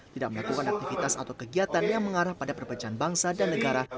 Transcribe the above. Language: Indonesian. tidak melakukan aktivitas atau kegiatan yang mengarah pada perpecahan bangsa dan negara